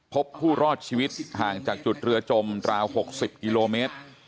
พบผู้รอดชีวิตห่างจากจุดเรือจมราว๖๐กิโลเมตร